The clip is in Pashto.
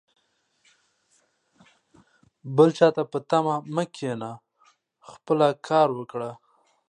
بل چاته په تمه مه کښېنه ، خپله کار وکړه